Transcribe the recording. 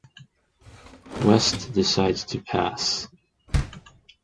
West decides to pass.